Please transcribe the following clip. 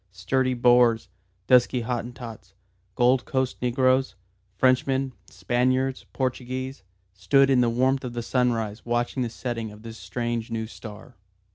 Sturdy Boers, dusky Hottentots, Gold Coast negroes, Frenchmen, Spaniards, Portuguese, stood in the warmth of the sunrise watching the setting of this strange new star.